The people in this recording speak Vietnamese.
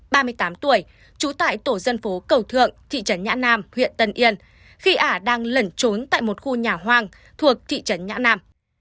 ba mươi tám tuổi trú tại tổ dân phố cầu thượng thị trấn nhã nam huyện tân yên khi ả đang lẩn trốn tại một khu nhà hoang thuộc thị trấn nhã nam